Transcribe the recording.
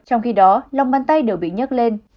trong khi đó lòng bàn tay đều bị nhấc lên